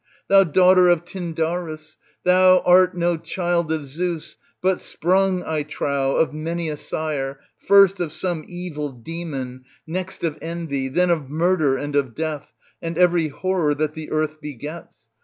Thou daughter of Tyndarus, thou art no child of Zeus, but sprung, I trow, of many a sire, first of some evil demon, next of Envy, then of Miurder and of Death, and every horror that the earth begets.